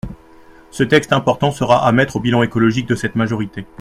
Ce texte important sera à mettre au bilan écologique de cette majorité.